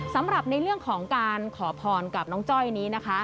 สำหรับในเรื่องของการขอพรกับน้องจ้อยนี้นะคะ